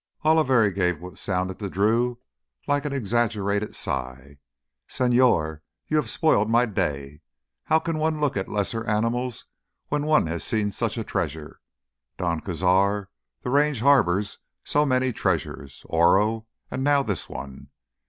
Oliveri gave what sounded to Drew like an exaggerated sigh. "Señor, you have spoiled my day. How can one look at lesser animals when one has seen such a treasure? Don Cazar, the Range harbors so many treasures—Oro, and now this one.